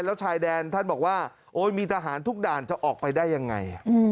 แล้วชายแดนท่านบอกว่าโอ้ยมีทหารทุกด่านจะออกไปได้ยังไง